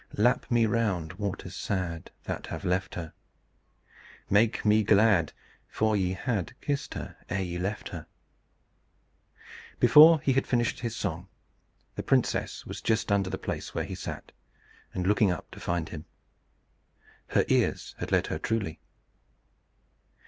Lap me round, Waters sad That have left her; Make me glad, For ye had Kissed her ere ye left her." Before he had finished his song, the princess was just under the place where he sat, and looking up to find him. Her ears had led her truly.